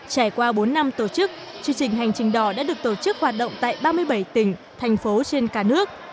trải qua bốn năm tổ chức chương trình hành trình đỏ đã được tổ chức hoạt động tại ba mươi bảy tỉnh thành phố trên cả nước